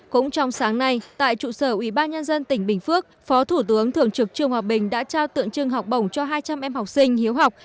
cũng trong sáng nay tại trụ sở ủy ban nhân dân tỉnh bình phước phó thủ tướng thượng trực trường hòa bình đã trao tượng trưng học bổng cho hai trăm linh em học sinh hiếu học